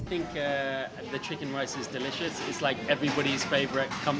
ini adalah makanan yang paling menyenangkan untuk menyenangkan